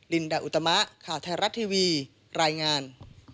ลินดาอุตมะข่าวไทยรัฐทีวีรายงาน